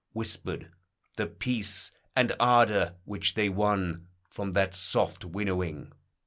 Whispered the peace and ardor, which they won From that soft winnowing.